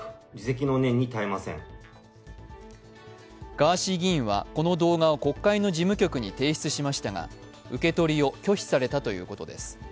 ガーシー議員はこの動画を国会の事務局に提出しましたが受け取りを拒否されたということです。